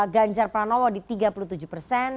ganjar pranowo di tiga puluh tujuh persen